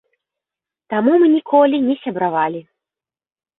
Таму мы ніколі не сябравалі.